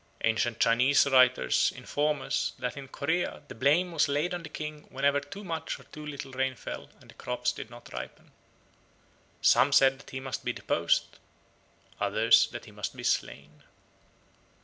Ancient Chinese writers inform us that in Corea the blame was laid on the king whenever too much or too little rain fell and the crops did not ripen. Some said that he must be deposed, others that he must be slain.